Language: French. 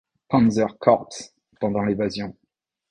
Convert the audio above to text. Panzerkorps pendant l'évasion.